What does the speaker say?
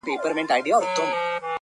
څه په هنر ريچي ـ ريچي راته راوبهيدې~